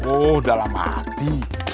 oh dalam hati